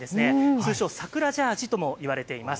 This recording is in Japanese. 通称桜ジャージとも言われています。